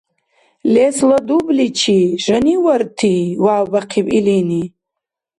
— Лесла дубличи, жаниварти! — вявбяхъиб илини.